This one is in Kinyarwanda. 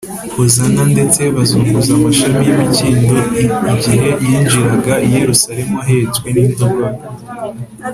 hozana ndetse bazunguza amashami y’imikindo igihe yinjiraga i yerusalemu ahetswe n’indogobe